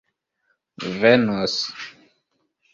venos